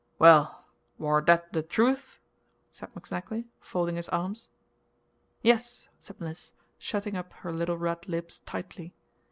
"Well, war that the truth?" said McSnagley, folding his arms. "Yes," said Mliss, shutting up her little red lips tightly.